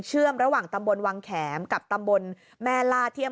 เชื่อมระหว่างตำบลวังแขมกับตำบลแม่ล่าเที่ยม